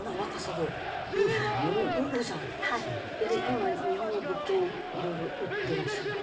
今日本の物件をいろいろ売ってらっしゃる？